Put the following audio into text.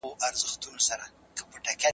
ایا دا څېړنه به ګټوره ثابت سي؟